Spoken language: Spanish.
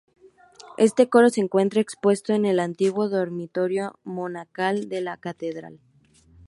Este coro se encuentra expuesto en el antiguo dormitorio monacal de la catedral.